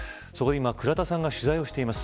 倉田さんが今取材をしています。